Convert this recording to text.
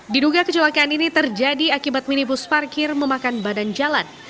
diduga kecelakaan ini terjadi akibat minibus parkir memakan badan jalan